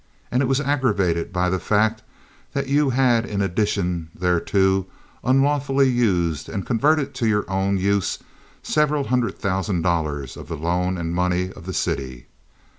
And it was aggravated by the fact that you had in addition thereto unlawfully used and converted to your own use several hundred thousand dollars of the loan and money of the city.